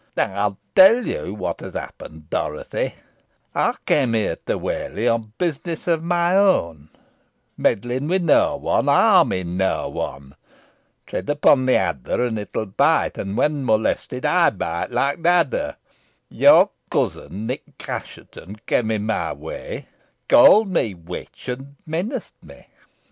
"I will tell you what has happened, Dorothy," pursued Mother Chattox. "I came hither to Whalley on business of my own; meddling with no one; harming no one. Tread upon the adder and it will bite; and, when molested, I bite like the adder. Your cousin, Nick Assheton, came in my way, called me 'witch,' and menaced me.